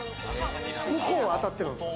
向こうは当たってるんですか？